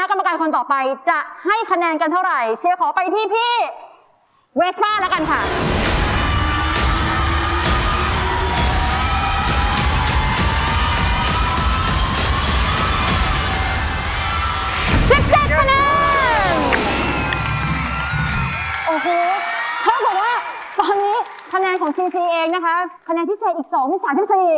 โอเคเพราะบอกว่าตอนนี้คะแนนของจีจีเองนะคะคะแนนพิเศษอีกสองมีสามสิบสี่